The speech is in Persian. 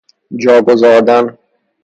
جا گذاردن